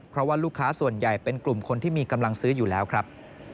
เพราะว่าลูกค้าส่วนใหญ่เป็นกลุ่มคนที่มีกำลังซื้ออยู่แล้วครับ